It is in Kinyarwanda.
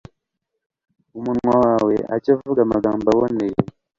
umunwa wawe ajye avuga amagambo aboneye